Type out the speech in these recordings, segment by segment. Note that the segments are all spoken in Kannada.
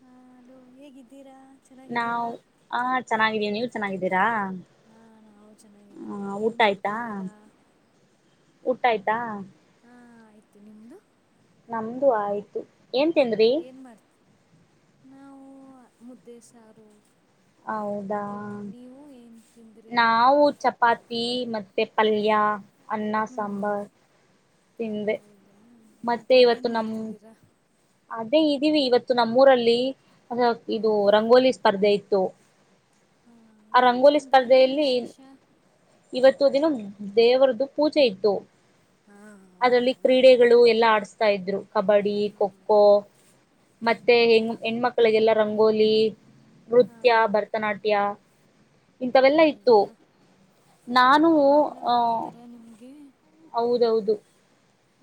ಹಾ ಅಲೋ ಹೇಗಿದ್ದೀರಾ ನಾವು ಚೆನ್ನಾಗಿದ್ದೀರಾ ಹ ಚೆನ್ನಾಗಿದ್ದೀ ನೀವು ಚೆನ್ನಾಗಿದ್ದೀರಾ ಹಾ ನಾವು ಚೆನ್ನಾಗಿದ್ದೀವಿ ಹ ಏನ್ ಊಟ ಆಯ್ತಾ ಮಾಡ್ತಿದ್ದೀರಾ ಊಟ ಆಯ್ತಾ ಹಾ ಆಯ್ತು ನಿಮ್ದು ನಮ್ದು ಆಯ್ತು ಏನ್ ತಿಂದ್ರಿ ಏನು ಮಾಡ್ತೀವಿ ನಾವು ಮುದ್ದೆ ಸಾರು ಹೌದಾ ತಿಿಂದ್ರಿ ನೀವು ಏನ್ ತಿಂದ್ರಿ ನಾವು ಚಪಾತಿ ಮತ್ತೆ ಪಲ್ಯ ಅನ್ನ ಹ್ಞೂ ಸಾಂಬಾರ್ ತಿಿಂದೆ ಹೌದಾ ಮತ್ತೆ ಮತ್ತು ಏನು ಇವತ್ತು ನಮ್ಮ ಮಾಡ್ತಿದ್ದೀರಾ ಅದೇ ಇದೀವಿ ಇವತ್ತು ನಮ್ಮೂರಲ್ಲಿ ಹ್ಞೂ ಇದು ರಂಗೋಲಿ ಸ್ಪರ್ಧೆ ಇತ್ತು ಹಾಂ ಆ ರಂಗೋಲಿ ಏನರಿಂದ ಏನು ಸ್ಪರ್ಧೆಯಲ್ಲಿ ವಿಶೇಷ ಇವತ್ತು ದಿನ ದೇವರದ್ದು ಪೂಜೆ ಇತ್ತು ಹಾಂ ಅದರಲ್ಲಿ ಹೌದಾ ಕ್ರೀಡೆ ಎಲ್ಲಾ ಆಡಿಸಸ್ತಾ ಇದ್ರು ಕಬಡ್ಡಿ ಹಾಂ ಖೋಖೋ ೋ ಮತ್ತೆ ಹೆ ಹಾಂ ಹೆಣ್ಮಕ್ಳಿಗೆಲ್ಲ ರಂಗೋಲಿ ನೃತ್ಯ ಹಾಂ ಬರ್ತ ಭರತನಾಟ್ಯ ಇಂಥವೆಲ್ಲಾ ಇತ್ತು ಹೌದಾ ನಾನು ಆ ನಮ್ಗೆ. ಹೌದೌದು.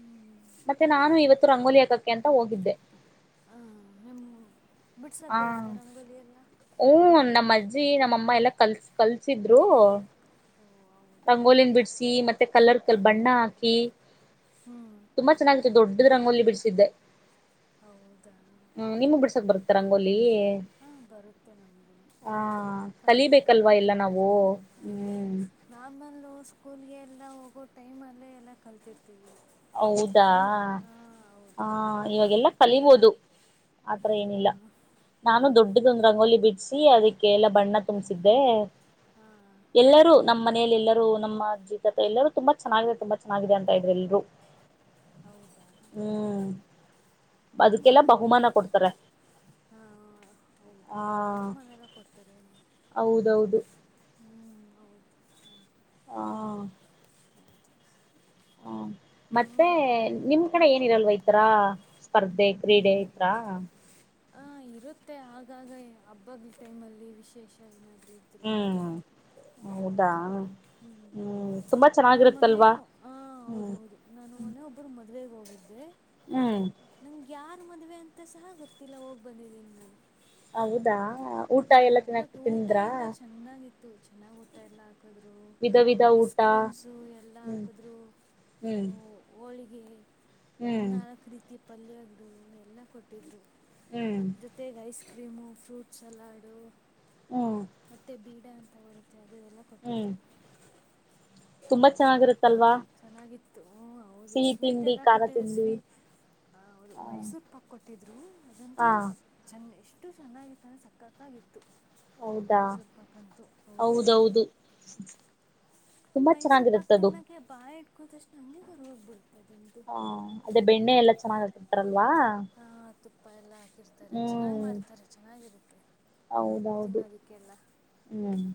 ಹ್ಮ್. ಮತ್ತೆ ನಾನು ಇವತ್ತು ರಂಗೋಲಿ ಅಕಕ್ಕೆ ಅಂತ ಹೋಗಿದ್ದೆ. ಹ ನಿಮ್ ಬಿಡ್ಸಕ್ ಬರುತ್ತಾ ರಂಗೋಲಿ ಎಲ್ಲ. ಹೂ ನಮ್ಮ್ ಅಜ್ಜಿ ನಮ್ಮಮ್ಮ ಎಲ್ಲಾ ಕಲ್ಸ. ಕಲ್ಸಿದ್ರು ಓ ಹೌದಾ ರಂಗೋಲಿನ್ ಬಿಡ್ಸಿ ಮತ್. ಮತ್ತೆ ಕಲರ್ ಕಲ್ ಬಣ್ಣ ಅಕಿ. ಹ್ಮ್. ತುಂಬ ಚೆನ್ನಾಗಿತ್ತು ದೊಡುದ್ ರಂಗೋಲಿ ಬಿಡ್ಸಿದೆ. ಹೌದಾ. ಹ್ಮ ನಿಮಗ್ ಬಿಡ್ಸಕ್ ಬರುತ್ತ ರಂಗೋಲಿ. ಹಾ ಬರುತ್ತೆ ನಂಗೂನೂ. ಹಾ ಕಲಿಬೇಕಲ್ವಾ ಎಲ್ಲ ನಾವು. ಹ್ಮ್ ಹಾವ್ದ್ ನಾರ್ಮಲ್ಲು ಸ್ಕೂಲ್ಗೆ ಎಲ್ಲ ಹೋಗೋ ಟೈಮಲ್ಲೇ ಎಲ್ಲ ಕಲ್ತಿರ್ತೀವಿ. ಹೌದಾ ಫ್ರೆಂಡ್ ಹಾಂ ಹ ಹೌದು ಇವಾಗೆಲ್ಲ. ಕಲಿಬೋದು ಆತರ ಏನಿಲ್ಲ ಹಾಂ ನಾನು ಹೌದೌದು ದೊಡ್ದುದೊಂದ್ ರಂಗೋಲಿ ಬಿಟ್. ಸಿ ಅದಿಕ್ಕೆ ಎಲ್ಲ ಬಣ್ಣ ತುಂಬ್ಸಿದೆ. ಹಾ. ಎಲ್ಲರೂ ನಮ್ಮ್ ಮನೆಯಲ್ ಎಲ್ಲರೂ ನಮ್ ಅಜ್ಜಿ ತತ್ತಾ ಎಲ್ಲರೂ ತುಂಬಾ ಚೆನ್ನಗಿದೆ ತುಂಬಾ ಚೆನ್ನಗಿದೆ ಅಂತ ಇದ್ರು ಎಲ್ರು. ಹೌದಾ. ಹ್ಮ್ ಅದುಕ್ಕೆಲ್ಲ ಬಹುಮಾನ ಕೊಡ್ತಾರೆ. ಹ್ಮ ಹಾ. ಆ ಹೌದಾ ಬಸ್ ಮನಲ್ಲ ಕೊಡ್ತಾರೆನೂ. ಹೌದೌದು ಹ್ಮ್ಮ್ ಹೌದು ಹ್ಮ್ಮ್. ಹಾ. ಹೌದು. ಹಾ ಮತ್ತೆ ನಮ್ಮ ನಿಮ್. ನಿಮ್ ಕಡೆ ಏನಿರಲ್ವ ಇತರ ಸ್ಪರ್ಧೆ ಕ್ರೀಡೆ ಇತರ. ಹ ಇರುತ್ತೆ ಆಗಾಗ ಹಬ್ಬಗ್ ಟೈಮಲ್ಲಿ ವಿಶೇಷ ಏನಾದ್ರು. ಇದ್ರೆ ಹ್ಮ್ ಹೌದಾ ಹೌದು. ಹ್ಮ್ ತುಂಬಾ ನನ್ ಮೊನ್ನೆ ಚೆನ್ನಾಗಿರುತ್ತಲ್ವಾ ಹ ಹೌದ ಹ್ಮ್ ಹೌದು. ನಾನು ವನ ಒಬ್ರು ಮದ್ವೆೆಗ್ ಹೋಗಿದ್ದೆ. ಹ್ಮ್. ನಂಗ್ ಯಾರ್ ಮದ್ವೆ ಅಂತ ಸಹ ಗೊತ್ತಿಲ್ಲ ಹೋಗ್ ಬಂದಿದಿನ್ ನಾನು. ಹೌದಾ. ಊಟ ಹ ಎಲ್ಲ ತಿನ್ನಕ್ ಬಟ್ ಊಟ ತಿಂದ್ರಾ ಎಲ್ಲಾ ಚೆನ್ನಾಗಿತ್ತು ಚೆನ್ನಾಗ್ ಊಟ ಎಲ್ಲ ಆಗ್. ಅಕುದ್ರು ವಿಧ ವಿಧ ಐಸ್ ಊಟ ಕ್ರೀಮ್ಸು ಎಲ್ಲ ಹ್ಮ್ ಅಕುದ್ರು. ಹ್ಮ್ ಹೋಳಿಗೆ ಒನ್ ಹ್ಮ್ ನಾಲಕ್ ರೀತಿ ಪಲ್ಯಗ್ರು ಎಲ್ಲ ಕೊಟ್ಟಿದ್ರು. ಹ್ಮ್. ಜೊತೆಗ್ ಐಸ್ ಕ್ರೀಮು ಫ್ರೂಟ್ ಸಲಾಡು ಹ್ಮ್ ಮತ್ತೆ ಬೀಡ ಅಂತ ಬರು ಬರುತ್ತೆ ಅದು ಎಲ್ಲ ಹ್ಮ್ ಕೊಟ್ಟಿದ್ರು ತುಂಬಾ ಹ್ಮ್ ಚೆನ್ನಾಗಿರುತ್ತಲ್ವಾ ಚೆನ್ನಾಗಿತ್ತು ಹೂ. ಹೌದ ಸಿಹಿ ಸ್ವೀಟ್ ತಿಂಡಿ ಎಲ್ಲ ಖಾರ ಕೊಟಿದ್ರಾ ತಿಂಡಿ ಸ್ವೀ. ಹಾ ಹವ್ದು ಮೈಸೂರ್ ಪಾಕ್ ಕೊಟ್ಟಿದ್ರು ಅದಂತೂ ಹಾ ಸ್. ಚೆನ್ನ ಎಷ್ಟು ಚೆನ್ನಾಗಿತ್ತು ಅಂದ್ರೆ ಸಕ್ಕತ್ತಾಗಿತ್ತು. ಹೌದಾ ಮೈಸೂರು ಪಾಕ್ಕಂತೂ ಹೌದು ಹೌದೌದು ತುಂಬಾ ಮೈಸೂರ್ ಪಾಕ್ ಚೆನ್ನಾಗಿರುತ್ತದು ತಿನಕೆ ಬಾಯಿ ಇಟ್ಕುದಷ್ಟು ನಂಗಗೆಗ್ ಹೋಗ್ಬರ್ತದಂಟು ಹಾ ಅದೇ ಬೆಣ್ಣೆ ಎಲ್ಲಾ ಚೆನ್ನಾಗ ಆತಿಟಾರಲ್ವಾ ಹಾ ತುಪ್ಪ ಎಲ್ಲ ಹಾಕಿರ್ತಾರೆ ಚೆನ್ನಾಗಿ್ ಮಾಡ್ತಾರೆ ಚೆನ್ನಾಗಿರುತ್ತೆ ಹೌದೌದು ತಿನ್ನೋದಕ್ಕೆಲ್ಲ ಹ್ಮ್ ಹೌದು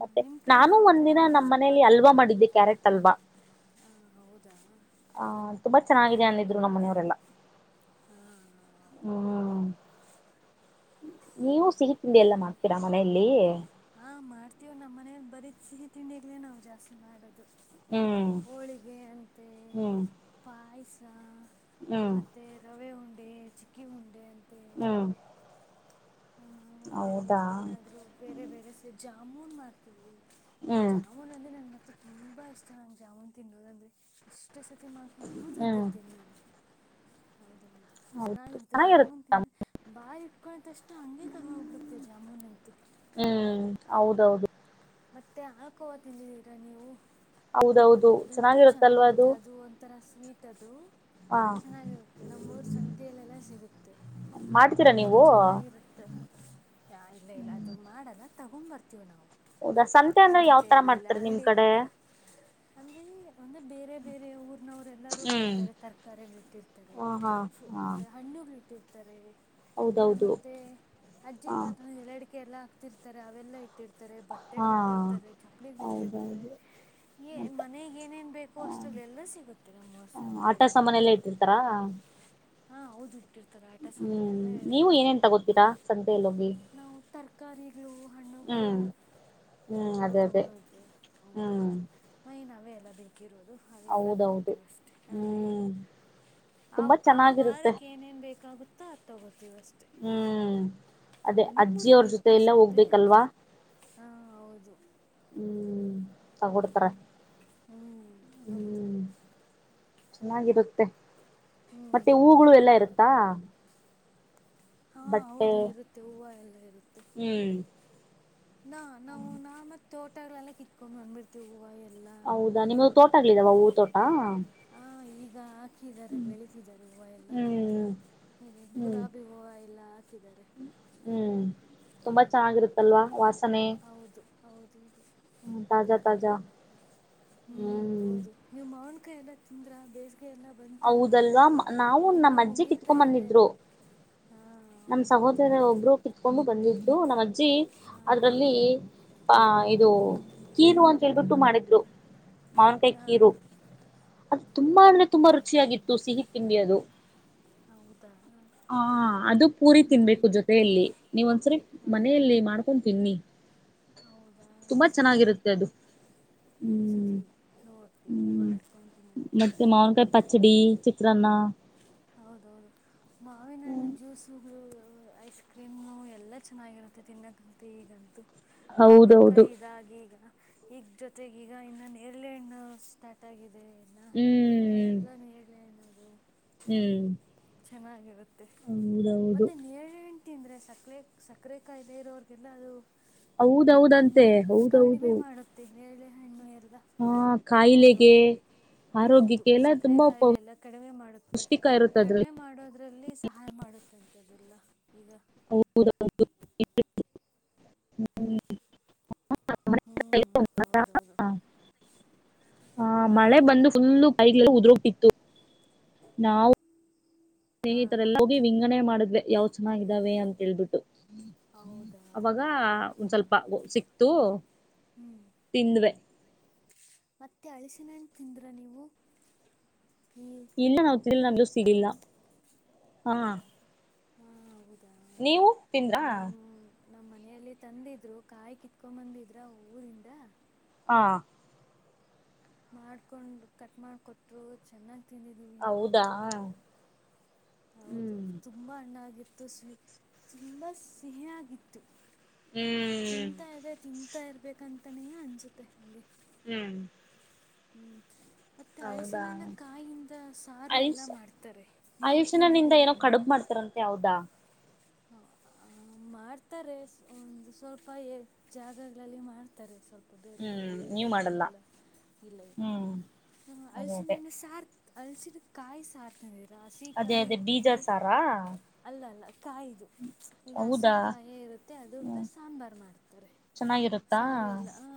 ಮತ್ತೆ ನಿಮ್ಮ ಕಡೆ ನಾನು ಒಂದ ಮಾಡ್ತಾರಾ ದಿನ ಮೈಸೂರು ನಮ್ಮ್ನಲಿ ಅಲ್ವಾ ಮಾಡಿದ್ದೆ ಕ್ಯಾರೆಟ್ ಹಲ್ವಾ ಹಾ ಹೌದಾ ಹ ತುಂಬಾ ಚೆನ್ನಾಗಿದೆ ಅಂದಿದ್ರು ನಮ್ಮ ಮನೆಯವರೆಲ್ಲಾ ಹಾ ಹ್ಮ್ ನೀವು ಸಿಹಿ ತಿಂಡಿ ಎಲ್ಲ ಮಾಡ್ತೀರಾ ಮನೆಯಲ್ಲಿ ಹಾ ಮಾಡ್ತೀವ ನಮ್ಮ ಮನೇಲಿ ಬರೀ ಸಿಹಿ ತಿಂಡಿಗ್ಲೇ ನಾವು ಜಾಸ್ತಿ ಮಾಡೋದು ಹ್ಮ್ ಹಳಿಗೆ ಅನ್ಂತೆ ಹ್ಮ್ ಪಾಯಸ ಹ್ಮ್ ಮತ್ತೆ ರವೆ ಉಂಡೆ ಚಿಕ್ಕಿ ಉಂಡೆ ಅಂತ ಹ್ಮ ಹ ಮತ್ತೆ ಹೌದಾ ಏನಾದ್ರು ಬೇರೆ ಬೇರೆ ಸ ಜಾಮೂನ್ ಮಾಡ್ತೀವಿ ಹ್ಮ್ ಜಾಮೂನ್ ಅಂದ್ರೆ ನನ್ತ್ರ ತುಂಬಾ ಇಷ್ಟ ನಂ ಜಾಮೂನ್ ತಿನ್ನುೋದು ಅಂದ್ರೆ ಎಷ್ಟು ಮಷ್ಟ ಸತಿ ಮಾಡ್ಕೊಟ್ಟು ಹ್ಮ್ ತಿಂತಿರ್ತೀನಿ ನಾನು ಹೌದೌದು ಚೆನ್ನಾಗಿರುತ್ತೆ ಜಾಮೂನ್ ತಿಿಂದ್ರ ಬಾರಿ ಇಟ್ಕೊಷ್ಟ ಅ ಹಂಗೆ ಕರ ಹೋಗ್ಬಿಡುತ್ತೆ ಜಾಮೂನಂತೂ ಹ್ಮ್ ಹೌದೌದು ಮತ್ತೆ ಹಾಕೋುವ ತಿಲ್ಲಿದೀರಾ ನೀವು ಹೌದೌದು ಚೆನ್ನಾಗಿರುತ್ತಲ್ವಾ ಅದು ಒ ಥರ ಸ್ವೀಟ್ ಅದು ಹಾ ಚೆನ್ನಾಗಿರುತ್ತೆ ನಮ್ಮ ಊರು ಸಂತಿಯಲ್ಲೆಲ್ಲ ಸಿಗುತ್ತೆ ಮಾಡ್ತೀರಾ ಇಷ್ಟು ನೀವು ಚೆನ್ನಾಗಿರುತ್ತೆ ಯಾ ಇಲ್ಲ ಇಲ್ಲ ಅದು ಮಾಡಲ್ಲ ತಗೊಂಬರ್ತೀವಿ ನಾವು ಹೌದಾ ಸಂತೆ ಅಂದ್ರೆ ಯಾವತರ ಸಂತೆಯಲ್ಲಿ ಮಾಡ್ತರಿ ನಿಮ್ ಕಡೆ ಅಂದ್ರ ಒಂದ ಬೇರೆ ಬೇರೆ ಊರ್ನವರು ಎಲ್ಲಾರೂ ಹ್ಮ್ ಬರ್ತಾರೆ ತರಕಾರಿಗಳ ಇಟ್ಟಿರ್ತಾರೆ ಹಾ ಹಾ ಹಾ ಅಂದೆ ಹಣ್ಣುಗಳ ಇಟ್ಟಿರ್ತಾರೆ ಇಲ್ಲ ಹೌದೌದು ಮತ್ತೆ ಹಾ ಅಜ್ಜಿತ್ ಅತ್ರ ಎಲ್ಲ ಅಡಿಕೆ ಎಲ್ಲಾ ಹಾಕ್ತಿರ್ತಾರೆ ಅವೆಲ್ಲಾ ಇ ಇಟ್ಟಿರ್ತಾರೆ ಬಟ್ಟೆಗ್ ಹಾ ಇಟ್ಟಿರ್ತಾರೆ ಚಪ್ಪಲಿಿಗ್ ಇಟ್ಟಿರ್ತಾರೆ ಹೌದೌದು ಏನ್ ಮತ್ತೆ ಮನಗ ಏನೇನು ಬೇಕು ಅಷ್ಟಲ್ಲೆಲ್ಲ ಸಿಗುತ್ತರ ಮೋರ್ಸ್ ಅಂತೇಳಿ ಮನೆಯಲ್ಲೇ ಇಟ್ಟಿರ್ತಾರಾ ಹಾ ಹೌದು ಇಕಿ ರ ಆಟಾ ಸಾಮಾನ ಹ್ಮ್ ಎಲ್ಲ ನೀವು ಹೇಳುತ್ತೆ ಏನೇನ್ ತಗೋತೀರಾ ಸಂತೆಯಲ್ಲಿ ಹೋಗಿ ನಾವು ತರಕ ಹಣ್ಣುಗಳು ಹ್ಮ್ ಹ್ಮ್ ಅವು ಅದೇ ಅದೇ ತಗೊಳೋು ಹ್ಮ್ ಹೌದೌದು ಮೈ ನೇ ಎಲ್ಲ ಬೇಕಿರೋದು ಅವೇ ಎಲ್ಲ ಹೌದೌದು ತೊಗೊತೀವಿ ಅಷ್ಟೇ ಹ್ಮ್ ತುಂಬಾ ಆ ಆ ಚೆನ್ನಾಗಿರುತ್ತೆ ವಾರಕ್ಕೆ ಏನೇನು ಬೇಕಾಗುತ್ತೋ ಅದು ತೊಗೋತೀವಿ ಅಷ್ಟು ಹ್ಮ್ ಅದೇ ಅಜ್ಜಿಯವ್ರ ನಿಮ್ಮೂರಲ್ಲಿ ಜೊತೆ ಇರ್ತ್ತ ಎಲ್ಲ ಸಂತೆ ಹೋಗ್ಬೇಕಲ್ವಾ ಹಾ ಹೌದು ಹ್ಮ್ ತಗೊಡ್ತಾರ ಹ್ಮಞ ಹೌದು ಚೆನ್ನಾಗಿರುತ್ತೆ ಹ್ಞೂ ಮತ್ತೆ ಹೂಗಳು ಎಲ್ಲ ಇರುತ್ತಾ ಹಾ ಬಟ್ಟೆ ಹೌದು ಇರುತ್ತೆ ಹೂವು ಎಲ್ಲ ಇರುತ್ತೆ ಹ್ಮ್ ನಾ ನಾವು ನಾ ಮತ್ತೆ ತೋಟಗಳಲ್ಲ ಕಿತ್ಕೊಂಡ್ ನಂದ್ಬಿಡ್ತವಿ ತಗುವ ಎಲ್ಲ ಹೌದಾ ನಿಮ್ದ ತೋಟ ಆಗ್ಲಿದಾವ ಹೂ ತೋಟ ಹಾ ಈಗ ಹಾಕಿದ್ದಾರೆ ಬೆಳತಿದ್ದಾರೆ ಹೂವು ಎಲ್ಲ ಹ್ಮ್ ಹೀಗೆ ಹ್ಮ್ ಗುಲಾಬಿ ಹೂವು ಎಲ್ಲ ಹಾಕಿದ್ದಾರೆ ಹೂ ತುಂಬಾ ಹಾಂ ಚೆನ್ನಾಗಿರುತ್ತಲ್ವಾ ವಾಸನೆ ಹೌದು ಹೌದು ಹೂ ತಾಜಾ ತಾಜಾ ಹೂ ಹ್ಮ್ ಹೌದು ನೀವು ಮಾವಿನಕಾಯಿ ಎಲ್ಲಾ ತಿಂದ್ರ ಬೇಸಗೆಯ ಎಲ್ಲ ಬಂತಲ್ವಾ ಹೌದಲ್ವಾ ನಾವು ಇನ್ನು ನಮ್ಮ ಅಜ್ಜಿ ಮುಗೀತಾ ಕಿತ್ಕೊಂಡ್ ಇದೆ ಬಂದಿದ್ರು ಹಾ ನಮ್ಮ ಹೌದೌದು ಸಹೋದರ ಒಬ್ಬರು ಕಿತ್ಕೊಂಡು ಬಂದಿದ್ರು ನಮ್ಮ ಅಜ್ಜಿ ಹಾ ಅದರಲ್ಲಿ ಹಾ ಇದು ಕೀರು ಅಂತ ಹೇಳ್ಬಿಟ್ಟು ಮಾಡಿದ್ರು ಮಾವನ್ಕಾಯಿ ಹಾ ಕೀರು ಅದು ತುಂಬಾ ಅಂದ್ರೆ ತುಂಬಾ ರುಚಿಯಾಗಿತ್ತು ಸಿಹಿ ತಿಂಡಿ ಅದು ಹೌದಾ ಹ ಅದು ಪೂರಿ ಹ್ಮ್ ತಿನ್ಬೇಕು ಜೊತೆಯಲ್ಲಿ ನೀವ ಒಂದ್ಸರಿ ಹಾ ಮನೆಯಲ್ಲಿ ಮಾಡ್ ಮಾಡ್ಕೊಂಡು ತಿನ್ನಿ ಹೌದಾ ಈ ತುಂಬಾ ಸತಿ ಚೆನ್ನಾಗಿರುತ್ತೆ ಅದು ಈ ಹ್ಮ್ ಸರ್ತಿ ನೋಡ್ತೀವಿ ಮಾಡ್ಕೊಂತೀವಿ ಅದಕ್ಕೆ ಕೈ ಪಚಡಿ ಚತ್ರರನ್ನ ಹೌದೌದು ಮಾವಿನ ಹಣ್ಣು ಜ್ಯೂಸ್ ಇವುಗಳು ಐಸ್ ಕ್ರೀಮ ಎಲ್ಲ ಚೆನ್ನಾಗಿರುತ್ತೆ ತಿನ್ನದಂತ ಈಗಂತೂ ಮಾವನ ಕೈ ಹೌದೌದು ಇದಾಗ ಈಗ ಈಗ ಜೊತೆಗೀಗ ಇನ್ನ ನೆರ್ಲೆಹಣ್ಣು ಸ್ಟಾರ್ಟ ಆಗಿದೆ ಇನ್ನು ಹ್ಮ್ ಎಲ್ಲಾನು ಹೇಳಲಿ ಅನ್ನೋದು ಹೂ ಚೆನ್ನಾಗಿರುತ್ತೆ ಮತ್ತೆ ನೇರಳೆ ತಿಂದರೆ ಸಕ್ಕರೆ ಸಕ್ಕರೆ ಕಾಯಿಲೆ ಇರೋರಿಗೆಲ್ಲ ಅದು ಆ ಹೌದೌದಂತೆ ಮೆಂಟ್ ಕಡಿಮೆ ಹೌದೌದು ಮಾಡುತ್ತೆ ನೇರಳೆ ಹಣ್ಣು ಎಲ್ಲ ಆ ಕಾಯಿಲೆಗೆ ಹೌದೌದು ಹೌದು ಆರೋಗ್ಯಕ್ಕೆ ಎಲ್ಲ ಸಕ್ಕರೆ ತುಂಬಾ ಕಾಯಿಲೆಲ್ಲ ಕಡಿಮೆ ಮಾಡ ಮತೆ ಪೌಷ್ಟಿಕ ಇರುತ್ತೆ ಕಡಿಮೆ ಅದ್ರಲ್ಲಿ ಮಾಡೋದರಲ್ಲಿ ಸಹಾಯ ಮಾಡುತ್ತಂಥದ್ದಿಲ್ಲ ಈಗ ಹೌದೌದು ಹೂ ಹೌದೌದು ಹಾ ಮಳೆ ಹಾಂ ಬಂದು ಫುಲ್ಲು ಪೈರುಉದುರೋಗಿತ್ತು ನಾವು ಹಾಂ ಸ್ನೇಹಿತರೆಲ್ಲಾ ವಿಂಗಣೆ ಮಾಡಿದ್ವೆ ಯಾವ್ ಚೆನ್ನಾಗ ಇದಾವೆ ಅಂತ ಹೇಳ್ಬಿಟ್ಟು ಹೌದಾ ಅವಾಗ ಹೌದೌದು ಹ್ಞೂ ಒಂದ್ ಸ್ವಲ್ಪ ಸಿಕ್ತು ಹ್ಞೂ ತಿಂದ್ವಿ ಮತ್ತೆ ಹಳಸಿನ ಹಣ್ಣು ತಿಂದ್ರ ನೀವು ಈ ಇಲ್ಲ ನಾನ್ ತಿಂದಿಲ್ಲ ಜೂಸ್ ಹಲೋ ಸಿಗ್ಲಿಲ್ಲ ಹಾ ಹ ಹೌದಾ ನೀವು ತಿಂದ್ರಾ ನಮ್ ನಮ್ಮ್ ಮನೆಯಲ್ಲಿ ತಂದಿದ್ರು ಕಾಯಿ ಕಿತ್ಕೊ ಬಂದಿದ್ರ ಊರಿಂದ ಹಾ ಮಾಡ್ಕೊಂಡು ಕಟ್ ಮಾಡಿಕೊಟ್ಟರು ಚೆನ್ನಾಗಿ ತಿಂದಿದ್ದೀವಿ ಹೌದಾ ನಾವಂತೂ ಹೌದು ಹ್ಮ್ ತುಂಬಾ ಹಣ್ಣಾಗಿತ್ತು ಸಿ ತುಂಬಾ ಸಿಹಿಯಾಗಿತ್ತು ಹೂ ತಿಂತಾ ಇದೆ ತಿಂತಾ ಇರ್ಬೇಕಂತನೇ ಅನಿಸುತ್ತೆ ಹಂಗೆ ಹೂ ಹೂ ಮತ್ತ ಹೌದಾ ಹಲಸಿನನ್ನ ಕಾಯಿಂದ ಸಾರು ಎಲ್ಲ ಅಲ್ಸ್ ಮಾಡ್ತಾರೆ ನೀವು ಅಲ್ಸಿನ ನಿಂದ ತಿಂದಿದ್ದೀರ ಏನೋ ಕಡುಬು ಮಾಡ್ತಾರಂತೆ ಹೌದಾ ಹೌ ಆ ಮಾಡ್ತಾರೆ ಒಂದು ಸ್ವಲ್ಪ ಜಾಗಗಳಲ್ಲಿ ಮಾಡ್ತಾರೆ ಸ್ವಲ್ಪ ಅ ಬೇರೆ ಬೇರೆ ಹ್ಮ್ ನೀವ್ ಮಾಡಲ್ಲ ಏರಿಯಾಗಳಲ್ಲೆಲ್ಲ ಇಲ್ಲ ಇಲ್ಲ ಹ್ಮ್ ನಮ್ಮ ಅದೇ ಅದೇ ಹಲಸಿನಹಣ್ಣೆ ಸಾರ ಹಲಸಿದ ಕಾಯಿ ಸಾರ ತಂದಿರ ಅದೇ ಹಸಿಕಾಯಿ ಅದೇ ಬೀಜ ಇದ್ದಂಗೆ ಸಾರಾ ಅಲ್ಲಲ್ಲ ಕಾಯಿ ಇದು ಹೌದಾ ಹಸಿಕಾಯೇ ಇರುತ್ತೆ ಅದ್ರದ್ದು ಹ್ಮ್ ಸಾಂಬಾರು ಮಾಡ್ತಾರೆ ಚೆನ್ನಾಗಿರುತ್ತಾ ಸಾರಿ ಎಲ್ಲ ಹಾ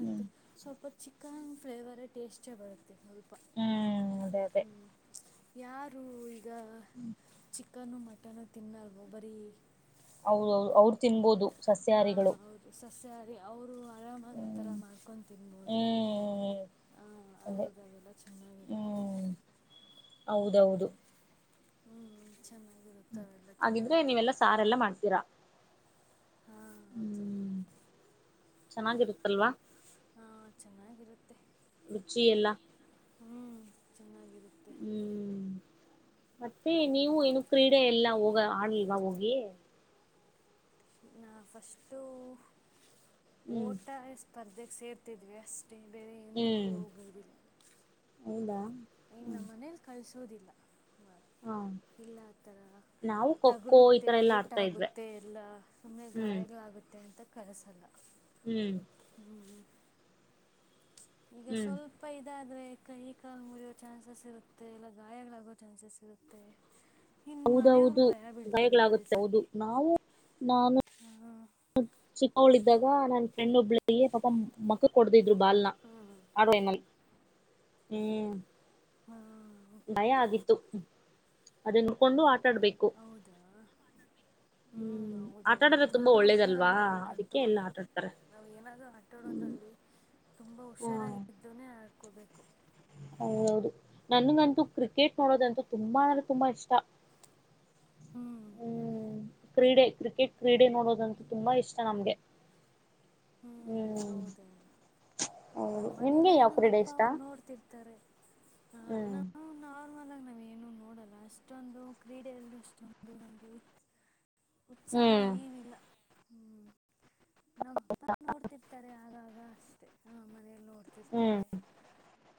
ಹ್ಮ್ ಸ್ವಲ್ಪ ಚಿಕನ್ ಫ್ಲೇವರೇ ಟೇಸ್ಟೇ ಬರುತ್ತೆ ಸ್ವಲ್ಪ ಹ್ಮ್ ಅದೇ ಅದೇ ಹೂ ಯಾರು ಈಗ ಚಿಕನ್ ಮಟನ್ನು ತಿನ್ನಲ್ವೋ ಬರೀ ಹೌದೌದು ಅವ್ರು ತಿನ್ಬೋದು ಹಾ ಸಸ್ಯಾಹಾರಿಗಳು ಹೌದು ಸಸ್ಯಹಾರಿ ಅವರು ಆರಾಮಾಗಿ ಆ ಥರ ಹ್ಮ್ ಮಾಡ್ಕೊಂಡು ತಿನ್ಬೋದು ಹ್ಮ್ ಅದೇ ಆಗೋದಾಗೆಲ್ಲ ಚೆನ್ನಾಗಿರುತ್ತೆ ಹ್ಮ್ ಹೌದೌದು ಹೂ ಚೆನ್ನಾಗಿರುತ್ತವೆೆಲ್ಲ ತಿನ್ನೋದಿಕ್ಕೆಲ್ಲ ಅದು ಎಲ್ಲ ಮಾಡ್ತೀರಾ ಹಾ ಹೌದು ಹ್ಮ್ ಚೆನ್ನಾಗಿರುತ್ತಲ್ವಾ ಹಾ ಚೆನ್ನಾಗಿರುತ್ತೆ ರುಚಿ ಎಲ್ಲ ಹೂ ಚೆನ್ನಾಗಿರುತ್ತೆ ಹೂ ಮತ್ತೆ ನೀವು ಏನು ಕ್ರೀಡೆ ಎಲ್ಲ ಹೋಗ ಆಡ್ಲ್ವಾ ಹೋಗಿ ನಾ ಫಸ್ಟು ಹ್ಮ್ ಓಟ ಸ್ಪರ್ಧೆಗೆ ಸೇರ್ತಿದ್ವಿ ಅಷ್ಟು ಅಷ್ಟೇ ಬೇರೆ ಎಂದಕ್ಕೂ ಹ್ಮ್ ಹೋಗ್ಬೋುದಿಲ್ಲ ಹೌದಾ ಇನ್ನ ಹ್ಮ್ ಮನೇಲಿ ಕಳ್ಸೋದಿಲ್ಲ ಹಾ ಇಲ್ಲ ಆಥರ ನಾವು ಖೋಖೋ ಈ ತಗುಲುತ್ತೆ ತರ ಎಲ್ಲಾ ಆಡ್ತಾ ಇದ್ವಿ ಏಟಾಗುತ್ತೆ ಎಲ್ಲ ಸುಮ್ಮ್ನೆ ಹ್ಮ್ ಗಾಯಗಳಾಗುತ್ತೆ ಅಂತ ಕಲ್ಸಾಲ ಹೂ ಹೂ ಹೂ ಈಗ ಹ್ಮ್ ಸ್ವಲ್ಪ ಪಪ್ಪ ಇದಾದರೆ ಕೈ ಕಾಲು ಮುರಿಿಯೋ ಚಾನ್ಸಸ್ ಇರುತ್ತೆ ಇಲ್ಲ ಗಾಯಗಳಾಗೋ ಚಾನ್ಸಸ್ ಇರುತ್ತೆ ಇನ್ನು ಮನೆಯವ್ರು ಹೌದೌದು ಭಯ ಬೀಳ್ತಾರೆ ಗಾಯಗಳಾಗುತ್ತೆ ಹೌದು ನಾವು ನಾನು ಹಾ ಹ ಚಿಕ್ಕಾವಳಿದ್ದಾಗ ನನ್ನ ಫ್ರೆಂಡ್ ಒಬ್ಳ ಪಾಪ ಮಾಖಕ್ ಹೊಡ್ಡಿದ್ರು ಬಾಲ್ನ ಹಾಂ ಆ ಟೈಮ್ ನಲ್ಲಿ ಹೂ ಹಾ ಭಯ ಆಗಿತ್ತು ಅದಕೊಂಡು ಆಟ ಆಡ್ಬೇಕು ಹೌದಾ ಹೂ ಹ್ಮ್ ಆಟ ಹೌದೌದು ಆಡಿದ್ರೆ ತುಂಬಾ ಒಳ್ಳೇದಲ್ವಾ ಹುಷಾರಾಗಿರ್ಬೇಕಂತೂ ಅದಕ್ಕೆ ಎಲ್ಲ ಆಟ ಆಡ್ತಾರೆ ನಾವ್ ಏನಾದ್ೂ ಆಟಾಡೋದ್ರಲ್ಲಿ ತುಂಬಾ ಹಾ ಹುಷಾರಾಗ ಇದ್ದುನೇ ಆಡ್ಕೋಬೇಕು ಹೌದೌದು ನನ್ಗಂತೂ ಕ್ರಿಕೆಟ್ ನೋಡೋದಂತೂ ತುಂಬಾ ಅಂದ್ರೆ ತುಂಬ ಇಷ್ಟ ಹೂ ಹ್ಮ್ ಕ್ರೀಡೆ ಕ್ರಿಕೆಟ್ ಕ್ರೀಡೆ ನೋಡೋದಂತೂ ತುಂಬಾ ಇಷ್ಟ ನಮ್ಗೆ ಹೂ ಹ್ಮ್ ಹೌದೇ ಹೌದು ನಮ್ಮ ನಿಮ್ಗೆ ಮನೇಲ್ಲು ಯಾವ ನಮ್ಮ ಕ್ರೀಡೆ ಅಪ್ಪ ಇಷ್ಟ ಅವ್ರು ನೋಡ್ತಿರ್ತಾರೆ ಹ್ಮ್ ನಾರ್ಮಲ್ ಆಗಿ ನಾವ್ ಏನು ನೋಡಲ್ಲ ಅಷ್ಟೊಂದು ಕ್ರೀಡೆಯಲ್ಲಿ ಅಷ್ಟೊಂದು ನಮ್ಗೆ ಉ ಉತ್ಸಾಹ ಹ್ಮ್ ಏನಿಲ್ಲ ಹ್ಮ್ ನಮ್ಮ ಅಪ್ಪ ನೋಡ್ತ ಇರ್ತಾರೆ ಆಗಾಗ ಅಷ್ಟೇ ಹ ಮನೆಯಲ್ಲಿ ಹ್ಮ್ ನೋಡ್ತಿರ್ತಾರೆ.